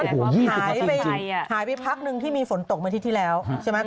มันหายไปหายไปพักนึงที่มีฝนตกเมื่อที่ที่แล้วใช่ไหมครับ